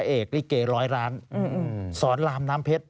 ถึงพี่เกรหรอยร้านสรรรามน้ำเพชร